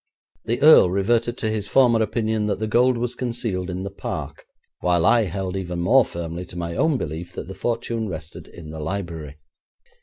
The earl reverted to his former opinion that the gold was concealed in the park, while I held even more firmly to my own belief that the fortune rested in the library.